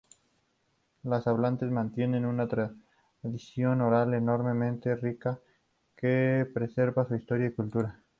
Los hablantes mantienen una tradición oral enormemente rica que preserva su historia y cultura.